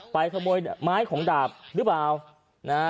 ไปขโมยไม้ของดาบหรือเปล่า